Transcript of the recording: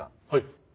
はい。